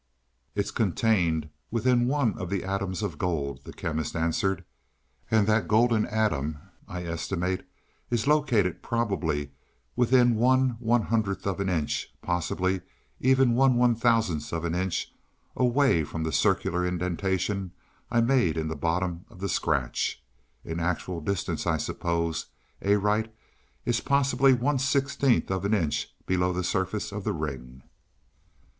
"It is contained within one of the atoms of gold," the Chemist answered. "And that golden atom, I estimate, is located probably within one one hundredth of an inch, possibly even one one thousandth of an inch away from the circular indentation I made in the bottom of the scratch. In actual distance I suppose Arite is possibly one sixteenth of an inch below the surface of the ring."